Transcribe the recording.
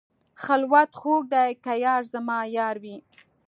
خلوت خوږ دی که یار زما یار وي.